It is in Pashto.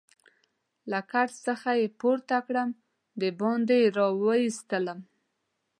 له کټ څخه يې پورته کړم او دباندې يې وایستلم.